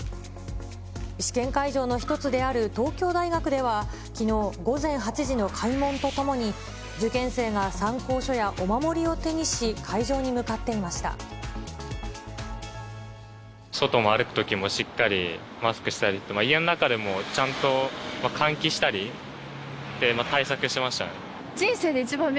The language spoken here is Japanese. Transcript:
試験会場の一つである東京大学では、きのう午前８時の開門とともに、受験生が参考書やお守りを手にし、外を歩くときもしっかりマスクしたり、家の中でもちゃんと換気したり、対策してましたね。